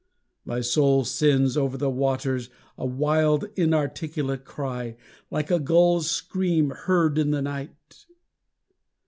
My soul sends over the waters a wild inarticulate cry, Like a gull's scream heard in the night.